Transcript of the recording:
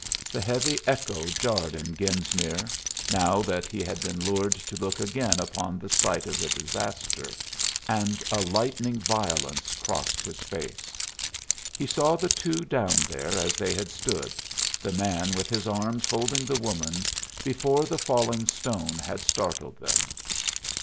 The heavy echo jarred in Genesmere, now that he had been lured to look again upon the site of the disaster, and a lightning violence crossed his face. He saw the two down there as they had stood, the man with his arms holding the woman, before the falling stone had startled them.